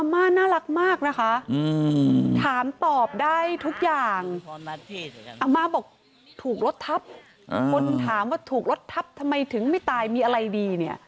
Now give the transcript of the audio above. อำมาตย์บอกถูกลดทับคนถามว่าถูกลดทับทำไมถึงไม่ตายมีอะไรดีเนี่ย